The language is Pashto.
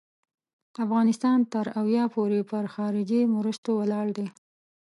افغانستان تر اویا پوري پر خارجي مرستو ولاړ دی.